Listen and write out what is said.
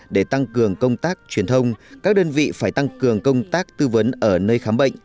để tăng cường công tác truyền thông các đơn vị phải tăng cường công tác tư vấn ở nơi khám bệnh